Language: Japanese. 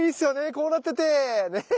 こうなっててね。